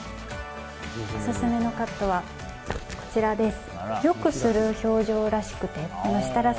オススメのカットはこちらです。